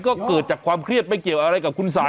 ก็เกิดจากความเครียดไม่เกี่ยวอะไรกับคุณสาย